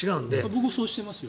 僕はそうしてますよ。